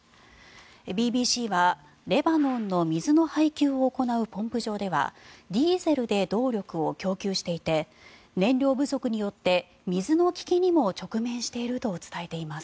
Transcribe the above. ＢＢＣは、レバノンの水の配給を行うポンプ場ではディーゼルで動力を供給していて燃料不足によって水の危機にも直面していると伝えています。